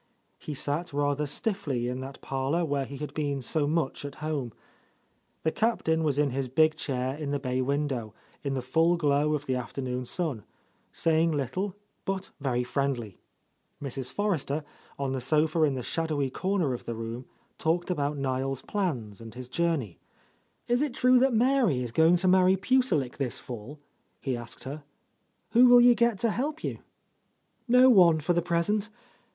He sat rather stiffly in that parlour where he had been so much at home. The Captain was in his big chair in the bay window, in the full glow of the afternoon sun, saying little, but very friendly. Mrs. Forrester, on the sofa in the —98— A Lost Lady shadowy corner of the room, talked about Niel's plans and his journey. "Is it true that Mary is going to marry Puce lik this fall?" he asked her. "Who will you get to help you?" "No one, for the present.